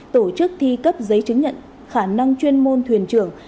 tổ chức thi cấp giấy chứng nhận khả năng chuyên môn thuyền trưởng